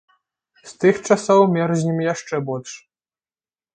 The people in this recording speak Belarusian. З тых часоў мерзнем яшчэ больш.